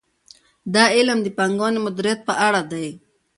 دا علم د پانګونې مدیریت په اړه دی.